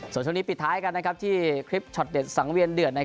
ส่วนช่วงนี้ปิดท้ายกันที่คลิปช็อตเด็ดสังเวียนเดือด